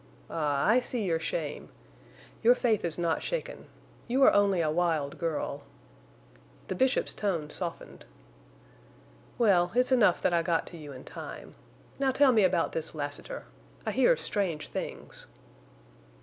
Ah, I see your shame. Your faith is not shaken. You are only a wild girl." The Bishop's tone softened. "Well, it's enough that I got to you in time.... Now tell me about this Lassiter. I hear strange things."